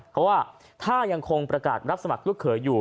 เพราะว่าถ้ายังคงประกาศรับสมัครลูกเขยอยู่